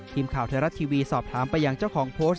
ทีมข่าวไทยรัฐทีวีสอบถามไปยังเจ้าของโพสต์